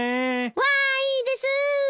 わいです！